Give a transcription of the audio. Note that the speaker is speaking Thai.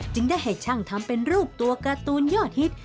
ได้ให้ช่างทำเป็นรูปตัวการ์ตูนยอดฮิต